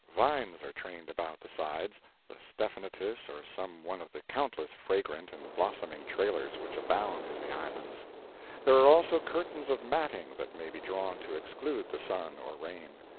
Vines are trained about the sides the stephanotis or some one of the countless fragrant and blossoming trailers which abound in the islands. There are also curtains of matting that may be drawn to exclude the sun or rain.